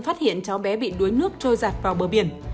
phát hiện cháu bé bị đuối nước trôi giặt vào bờ biển